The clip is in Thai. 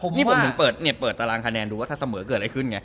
นี่ผมถึงเปิดตารางคะแนนดูว่าถ้าเสมอเกิดอะไรขึ้นไง